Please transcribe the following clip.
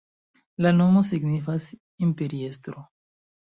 La nomo signifas imperiestro.